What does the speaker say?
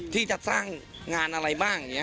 ที่จะสร้างงานอะไรบ้าง